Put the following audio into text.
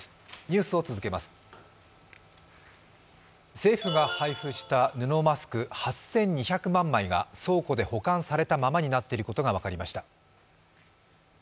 政府が配布した布マスク８２００万枚が倉庫で保管されたままになっていることが分かりました。